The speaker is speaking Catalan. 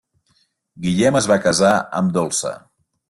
Guillem es va casar amb Dolça.